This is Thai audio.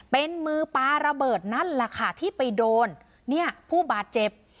เป็นมือปลาระเบิดนั่นแหละค่ะที่ไปโดนเนี่ยผู้บาดเจ็บ